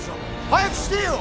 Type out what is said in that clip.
早くしてよ！